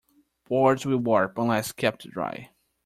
Boards will warp unless kept dry.